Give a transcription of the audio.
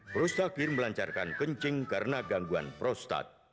prostakir melancarkan kencing karena gangguan prostat